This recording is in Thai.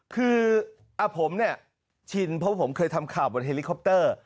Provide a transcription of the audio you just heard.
คือผมเนี่ยชินเพราะผมเคยทำข่าวบนเฮลิคอปเตอร์